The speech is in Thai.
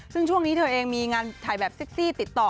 ซึ่งช่วงนี้เธอเองมีงานถ่ายแบบเซ็กซี่ติดต่อ